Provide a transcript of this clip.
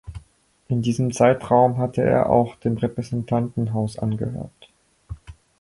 In diesem Zeitraum hatte er auch dem Repräsentantenhaus angehört.